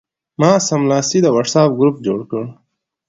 ما سملاسي د وټساپ ګروپ جوړ کړ.